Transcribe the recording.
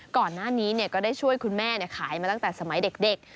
ก่อนหน้านี้ก็ได้ช่วยคุณแม่ขายมาตั้งแต่สมัยเด็ก